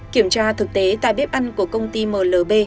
kiểm tra thực tế tại bếp ăn của công ty mlb